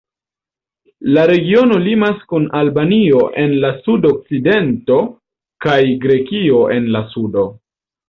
La regiono limas kun Albanio en la sudokcidento kaj Grekio en la sudo.